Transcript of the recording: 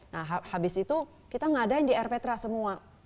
nah habis itu kita ngadain di elf petra semua